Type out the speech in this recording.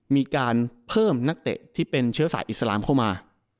มีการเพิ่มนักเตะที่เป็นเชื้อสายอิสลามเข้ามา